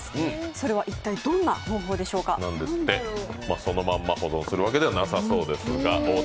そのまま保存するわけではなさそうですが。